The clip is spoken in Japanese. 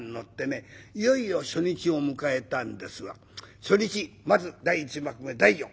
いよいよ初日を迎えたんですが初日まず第一幕目大序。